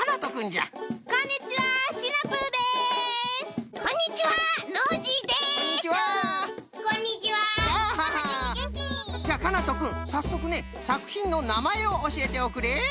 じゃかなとくんさっそくねさくひんのなまえをおしえておくれ。